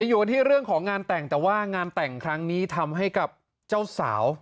อยู่กันที่เรื่องของงานแต่งแต่ว่างานแต่งครั้งนี้ทำให้กับเจ้าสาว